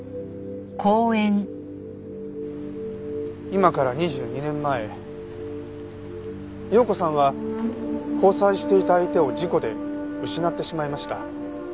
今から２２年前葉子さんは交際していた相手を事故で失ってしまいました。